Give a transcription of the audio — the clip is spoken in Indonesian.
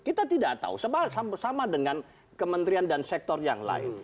kita tidak tahu itu adalah programnya yang berbeda dengan programnya yang ada di desa